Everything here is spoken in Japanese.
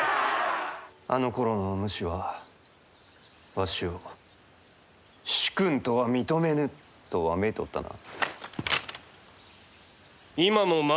あのころのお主はわしを「主君とは認めぬ」とわめいておったな。